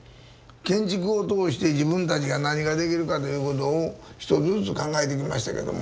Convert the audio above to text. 建築を通して自分たちが何ができるかということを一つずつ考えてきましたけども。